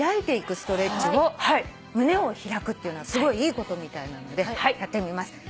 胸を開くっていうのはすごいいいことみたいなのでやってみます。